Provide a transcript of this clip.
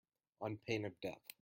On pain of death.